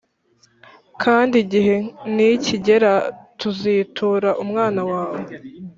kandi igihe nikigera tuzitura umwana wawe